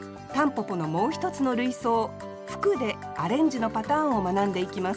蒲公英のもう一つの類想「吹く」でアレンジのパターンを学んでいきます